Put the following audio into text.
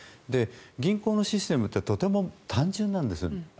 銀行のシステムってとても単純なんです。